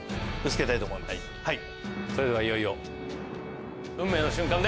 それではいよいよ。